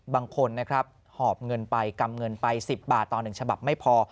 บางคนนะครับหอบเงินไปกำเงินไป๑๐บาทต่อ๑ฉบับไม่พอ